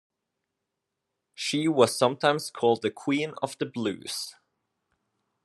She was sometimes called The Queen of the Blues.